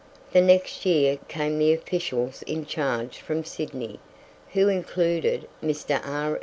The next year came the officials in charge from Sydney, who included Mr. R.